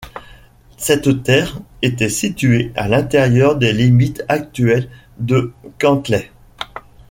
Cette terre était située à l’intérieur des limites actuelles de Cantley.